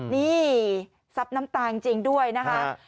นี่ซับน้ำตาจริงด้วยนะคะ